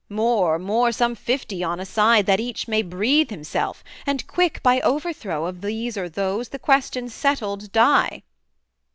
More, more some fifty on a side, that each May breathe himself, and quick! by overthrow Of these or those, the question settled die.'